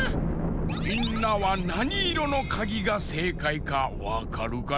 みんなはなにいろのかぎがせいかいかわかるかのう？